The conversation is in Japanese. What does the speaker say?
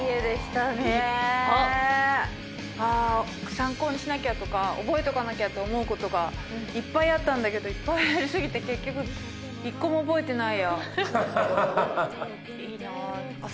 参考にしなきゃとか覚えとかなきゃと思うことがいっぱいあったんだけどいっぱいあり過ぎて結局１個も覚えてないや。